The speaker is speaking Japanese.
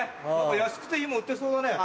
安くていいもん売ってそうだね。